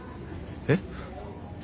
えっ？